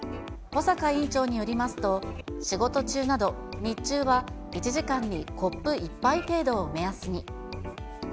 保坂院長によりますと、仕事中など、日中は１時間にコップ１杯程度を目安に。